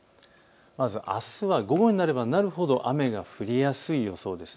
まず、あすは午後になればなるほど雨が降りやすい予想です。